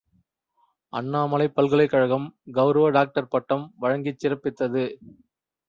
● அண்ணாமலைப் பல்கலைக்கழகம் கெளரவ டாக்டர் பட்டம் வழங்கிச் சிறப்பித்தது.